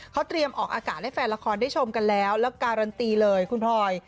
เขาเตรียมออกอากาศให้แฟนละครได้ชมกันแล้วแล้วการันตีเลยคุณพลอย